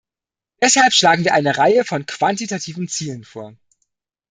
Deshalb schlagen wir eine Reihe von quantitativen Zielen vor.